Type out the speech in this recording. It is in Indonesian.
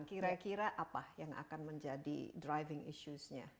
kira kira apa yang akan menjadi driving issues nya